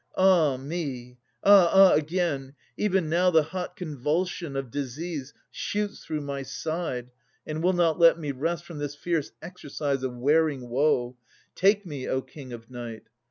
Ah me! Ah! ah! Again! Even now the hot convulsion of disease Shoots through my side, and will not let me rest From this fierce exercise of wearing woe. Take me, O King of Night!